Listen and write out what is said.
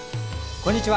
こんにちは。